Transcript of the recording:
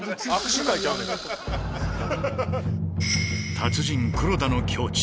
達人黒田の境地